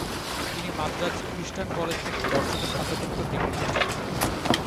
তিনি Madras Christian College থেকে দর্শনে স্নাতকোত্তর ডিগ্রি লাভ করেন।